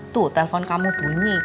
tuh telpon kamu bunyi